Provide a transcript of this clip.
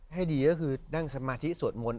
ให้ดีก็คือนั่งสมาธิสวดมนต์